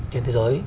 trên thế giới